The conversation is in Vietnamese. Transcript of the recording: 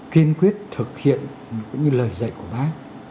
kiên quyết thực hiện những lời dạy của bác